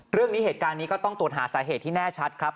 เหตุการณ์นี้เหตุการณ์นี้ก็ต้องตรวจหาสาเหตุที่แน่ชัดครับ